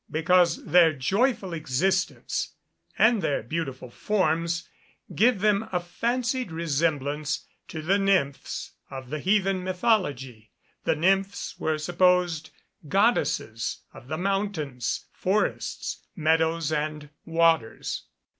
_ Because their joyful existence, and their beautiful forms, give them a fancied resemblance to the nymphs of the heathen mythology. The nymphs were supposed goddesses of the mountains, forests, meadows, and waters.